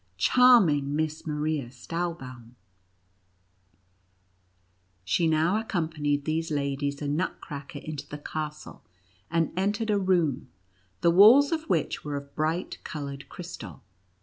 charming Miss Maria Stahlbaum !" She now ac companied these ladies and Nutcracker into the castle, and entered a room, the walls of which were of bright, colored crystal.